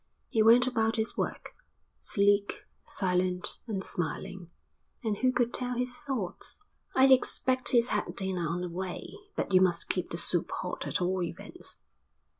He went about his work, sleek, silent, and smiling, and who could tell his thoughts? "I expect he's had dinner on the way, but you must keep the soup hot at all events."